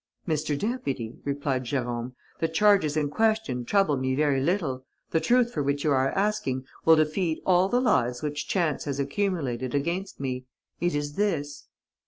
"Mr. Deputy," replied Jérôme, "the charges in question trouble me very little. The truth for which you are asking will defeat all the lies which chance has accumulated against me. It is this."